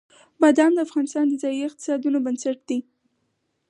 بادام د افغانستان د ځایي اقتصادونو بنسټ دی.